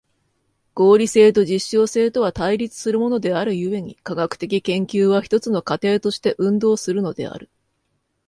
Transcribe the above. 合理性と実証性とは対立するものである故に、科学的研究は一つの過程として運動するのである。